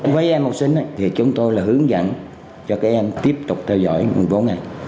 với em học sinh thì chúng tôi là hướng dẫn cho các em tiếp tục theo dõi bốn ngày